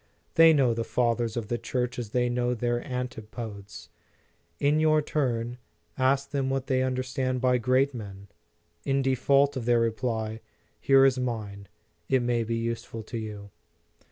They know the Fathers of the Church as they know their antipodes. In your turn, ask them what they understand by great men. In default of their reply, here is mine; it may be useful to you.